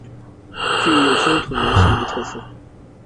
具有乡土浓厚特色